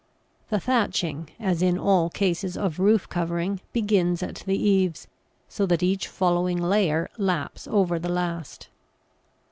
The thatching, as in all cases of roof covering, begins at the eaves, so that each following layer laps over the last.